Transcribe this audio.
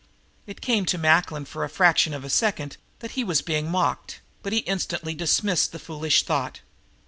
It came to Macklin for the fraction of a second that he was being mocked, but he instantly dismissed the foolish thought.